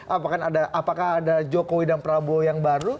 apakah ada jokowi dan prabowo yang baru